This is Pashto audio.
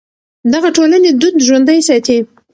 دغه ټولنې دود ژوندی ساتي.